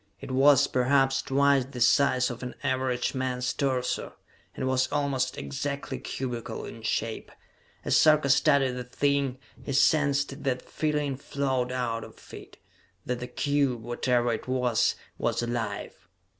It was, perhaps, twice the size of an average man's torso, and was almost exactly cubical in shape. As Sarka studied the thing, he sensed that feeling flowed out of it that the cube, whatever it was, was alive!